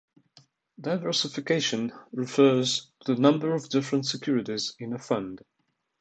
Diversification refers to the number of different securities in a fund.